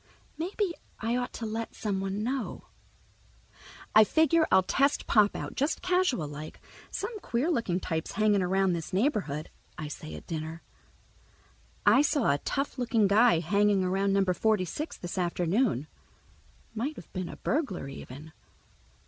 Maybe I ought to let someone know. I figure I'll test Pop out, just casual like. "Some queer looking types hanging around this neighborhood," I say at dinner. "I saw a tough looking guy hanging around Number Forty six this afternoon. Might have been a burglar, even."